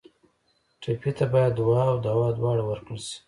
ټپي ته باید دعا او دوا دواړه ورکړل شي.